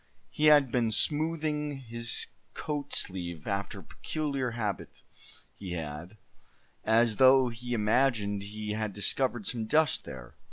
He had been smoothing his coat sleeve after a peculiar habit he had, as though he imagined he had discovered some dust there.